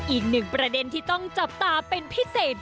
อีกหนึ่งประเด็นที่ต้องจับตาเป็นพิเศษ